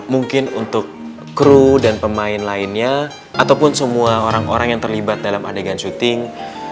mungkin untuk kru dan pemain lainnya ataupun semua orang orang yang terlibat dalam adegan syuting